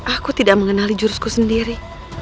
aku tidak mengenali jurusku sendiri